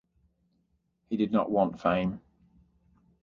He did not want fame.